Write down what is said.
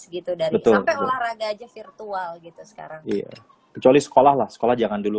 gitu dari betul betul raga aja virtual gitu sekarang kecuali sekolah sekolah jangan dulu